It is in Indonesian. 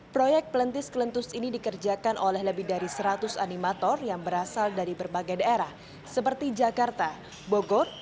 proyek pelentis kelentus ini dikerjakan oleh lebih dari seratus animator yang berasal dari berbagai daerah seperti jakarta bogor